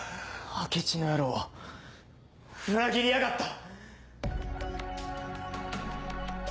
明智の野郎裏切りやがった！